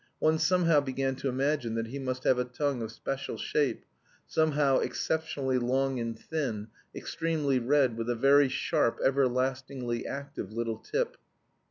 One somehow began to imagine that he must have a tongue of special shape, somehow exceptionally long and thin, extremely red with a very sharp everlastingly active little tip.